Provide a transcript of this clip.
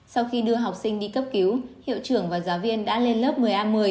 sau khi đưa học sinh đi cấp cứu hiệu trưởng và giáo viên đã lên lớp một mươi a một mươi